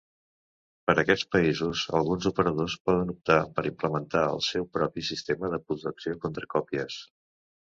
Per a aquests països, alguns operadors poden optar per implementar el seu propi sistema de protecció contra còpies.